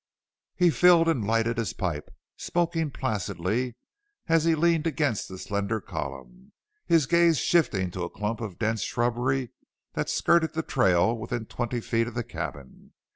He filled and lighted his pipe, smoking placidly as he leaned against the slender column, his gaze shifting to a clump of dense shrubbery that skirted the trail within twenty feet of the cabin.